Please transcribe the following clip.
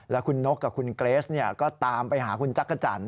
แล้วคุณนกกับคุณเกรสก็ตามไปหาคุณจักรจันท